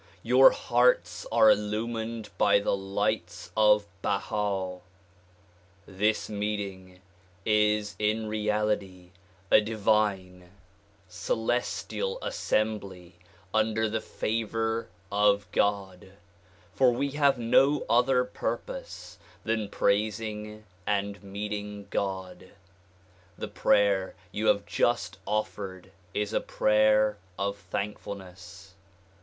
Your hearts are illumined by the lights of Baha. This meeting is in reality a divine, celestial I DISCOURSES DELIVERED IN NEW YORK 231 assembly under the favor of God, for we have no other purpose than praising and meeting God. The prayer you have just offered is a prayer of thankfulness.